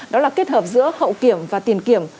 đó là kết hợp giữa hậu kiểm và tiền kiểm